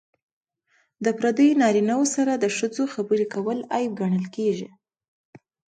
د پردیو نارینه وو سره د ښځو خبرې کول عیب ګڼل کیږي.